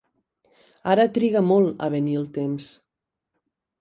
Ara triga molt a venir el temps.